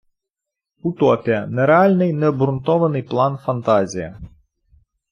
Утопія — нереальний необгрунтований план, фантазія